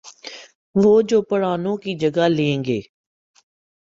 وہ جو پرانوں کی جگہ لیں گے۔